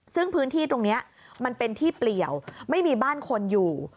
ซึ่งพื้นที่ตรงนี้มันเป็นที่เปลี่ยวไม่มีบ้านคนอยู่